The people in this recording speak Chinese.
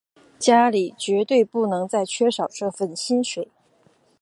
家里绝对不能再缺少这份薪水